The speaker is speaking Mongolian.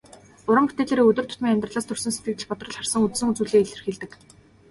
Уран бүтээлээрээ өдөр тутмын амьдралаас төрсөн сэтгэгдэл, бодрол, харсан үзсэн зүйлсээ илэрхийлдэг.